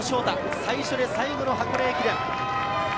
最初で最後の箱根駅伝。